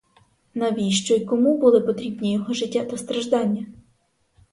Навіщо й кому були потрібні його життя та страждання?